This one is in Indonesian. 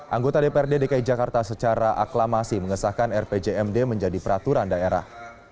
anggota dprd dki jakarta secara aklamasi mengesahkan rpjmd menjadi peraturan daerah